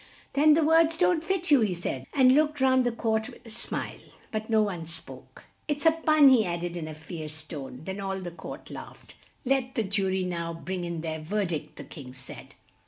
"Then the words don't fit you," he said, and looked round the court with a smile. But no one spoke. "It's a pun," he added in a fierce tone, then all the court laughed. "Let the ju ry now bring in their verdict," the King said.